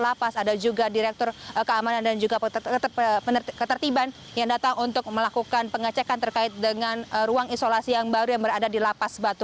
lapas ada juga direktur keamanan dan juga ketertiban yang datang untuk melakukan pengecekan terkait dengan ruang isolasi yang baru yang berada di lapas batu